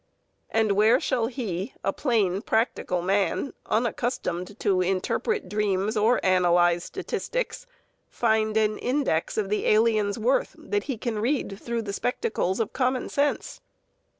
And where shall he, a plain, practical man, unaccustomed to interpret dreams or analyze statistics, find an index of the alien's worth that he can read through the spectacles of common sense?